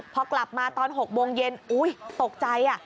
พอกลับมาตอน๖โมงเย็นอุ๊ยตกใจ